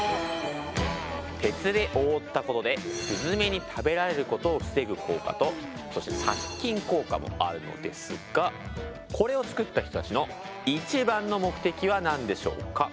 鉄で覆ったことでスズメに食べられることを防ぐ効果とそして殺菌効果もあるのですがこれを作った人たちの一番の目的は何でしょうか。